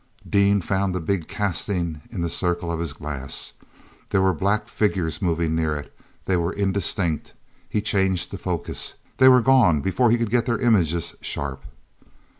Dean found the big casting in the circle of his glass. There were black figures moving near it; they were indistinct. He changed the focus—they were gone before he could get their images sharp.